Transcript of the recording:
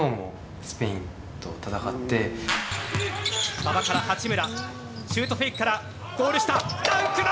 馬場から八村、シュートフェイクからゴール下、ダンクだ！